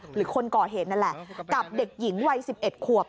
หรือคนก่อเหตุนั่นแหละกับเด็กหญิงวัย๑๑ขวบ